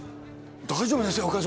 大丈夫ですよ課長。